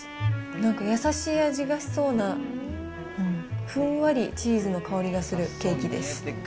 なんか優しい味がしそうな、ふんわりチーズの香りがするケーキです。